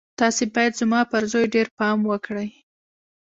تاسې بايد زما پر زوی ډېر پام وکړئ.